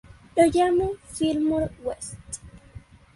Lo llamó Fillmore West.